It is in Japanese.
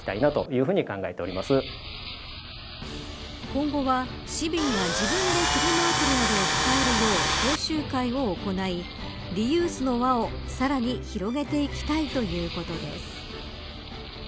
今後は市民が自分でフリマアプリなどを使えるよう講習会を行いリユースの輪をさらに広げていきたいということです。